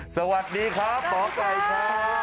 สวัสดีครับหมอไก่ครับ